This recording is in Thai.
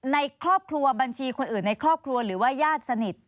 ในครอบครัวบัญชีคนอื่นในครอบครัวหรือว่าญาติสนิท